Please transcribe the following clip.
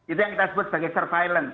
itu yang kita sebut sebagai surveillance